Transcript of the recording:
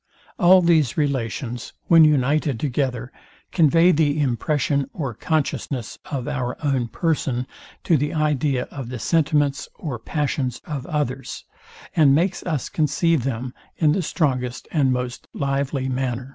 All these relations, when united together, convey the impression or consciousness of our own person to the idea of the sentiments or passions of others, and makes us conceive them in the strongest and most lively manner.